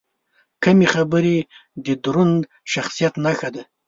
کمې خبرې، د دروند شخصیت نښه ده.